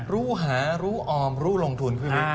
รู้หารู้ออมรู้ลงทุน